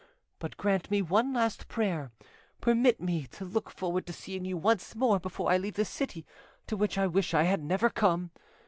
But grant me one last prayer permit me to look forward to seeing you once more before I leave this city, to which I wish I had never come.